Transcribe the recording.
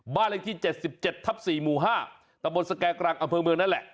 บ้านเลขที่๗๗ทับ๔หมู่๕ตะบนสแก่กรังอำเภอเมืองนั่นแหละ